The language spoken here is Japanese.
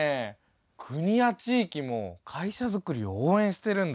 国や地域も会社づくりを応援してるんだ。